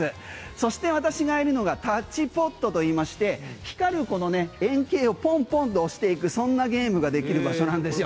そして私がいるのがタッチポッドといいまして光る、この円形をポンポンと押していくそんなゲームができる場所なんですよ。